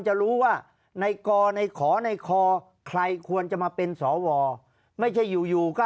จะรู้ว่าในกอในขอในคอใครควรจะมาเป็นสวไม่ใช่อยู่อยู่ก็